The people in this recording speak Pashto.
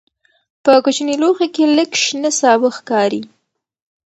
په کوچني لوښي کې لږ شنه سابه ښکاري.